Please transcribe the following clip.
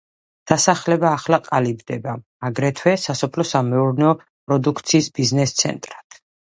დასახლება ახლა ყალიბდება, აგრეთვე, სასოფლო–სამეურნეო პროდუქციის ბიზნეს–ცენტრად.